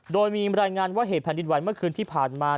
โดยมีรายงานว่าเหตุแผ่นดินไหวเมื่อคืนที่ผ่านมา